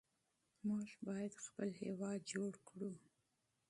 موږ باید خپل هېواد جوړ کړو.